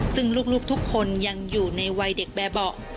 ซึ่งลูกทุกคนยังอยู่ในวัยเด็กแบบเบาะ